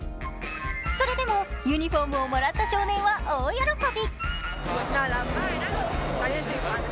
それでもユニフォームをもらった少年は大喜び。